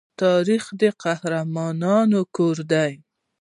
تاریخ د قهرمانانو کور دی.